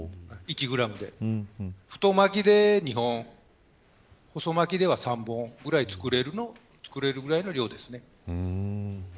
太巻きで２本細巻きでは３本くらい作れる量です。